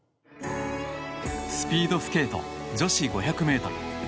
スピードスケート女子５００ｍ。